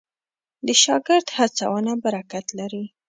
د شاګرد هڅونه برکت لري.